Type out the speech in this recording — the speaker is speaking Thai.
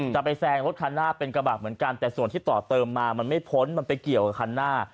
จะไปแซงรถคันหน้าเป็นกระบะเหมือนกันแต่ส่วนที่ต่อเติมมามันไม่พ้นมันไปเกี่ยวกับคันหน้า